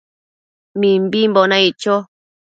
Mimbimbo naic cho